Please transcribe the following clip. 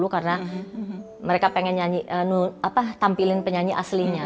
karena mereka pengen nyanyi tampilin penyanyi aslinya